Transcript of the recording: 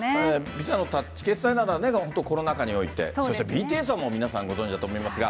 Ｖｉｓａのタッチ決済ならね、本当、コロナ禍において、そしてＢＴＳはもう皆さん、ご存じだと思いますが。